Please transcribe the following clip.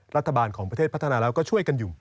รัฐบาลของประเทศพัฒนาแล้วก็ช่วยกันอยู่